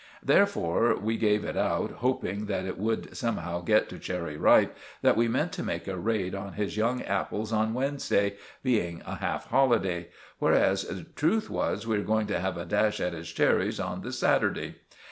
Therefore we gave it out, hoping that it would somehow get to Cherry Ripe, that we meant to make a raid on his young apples on Wednesday, being a half holiday; whereas the truth was we were going to have a dash at his cherries on the Saturday.